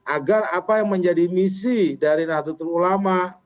agar apa yang menjadi misi dari nahdlatul ulama